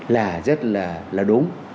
là rất là đúng